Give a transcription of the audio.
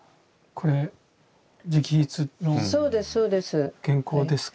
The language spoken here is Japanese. これ直筆の原稿ですか？